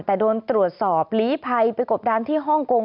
แต่โดนตรวจสอบหลีภัยไปกบดานที่ฮ่องกง